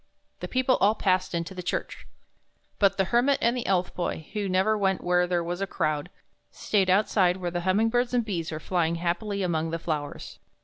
The people all passed into the church. But the Hermit and the Elf Boy, who never went where there was a crowd, stayed outside where the humming birds and bees were flying happily among the flowers.